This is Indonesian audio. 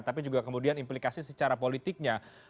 tapi juga kemudian implikasi secara politiknya